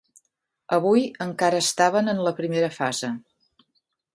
Avui encara estaven en la primera fase.